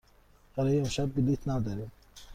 برای امشب بلیط نداریم.